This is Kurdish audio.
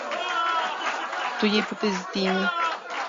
Tu yê bibizdînî.